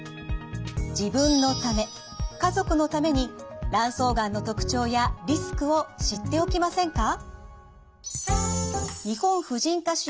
自分のため家族のために卵巣がんの特徴やリスクを知っておきませんか？